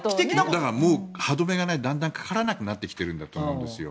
歯止めがだんだんかからなくなってきているんだと思うんですよ。